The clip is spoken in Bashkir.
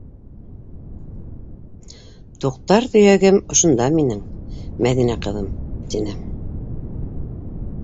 Туҡтар төйәгем ошонда минең, Мәҙинә ҡыҙым, - тине.